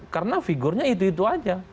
karena figurnya itu itu saja